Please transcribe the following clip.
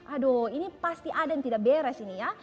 aduh ini pasti ada yang tidak beres ini ya